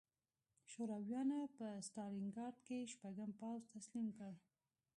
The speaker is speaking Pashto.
شورویانو په ستالینګراډ کې شپږم پوځ تسلیم کړ